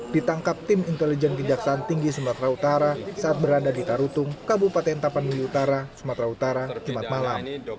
ditangkap tim intelijen kejaksaan tinggi sumatera utara saat berada di tarutung kabupaten tapanuli utara sumatera utara jumat malam